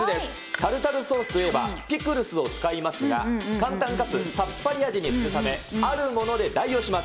タルタルソースといえば、ピクルスを使いますが、簡単かつさっぱり味にするため、あるもので代用します。